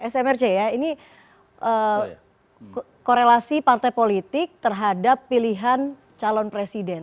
smrc ya ini korelasi partai politik terhadap pilihan calon presiden